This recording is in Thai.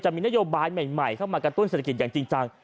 มีนโยบายใหม่เข้ามากระตุ้นเศรษฐกิจอย่างจริงจัง